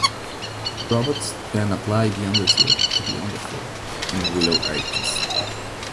Robots then apply the underseal to the underfloor and wheel arches.